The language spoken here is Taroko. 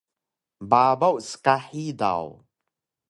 Babaw ska hidaw